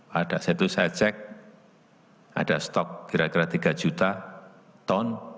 pada saat itu saya cek ada stok kira kira tiga juta ton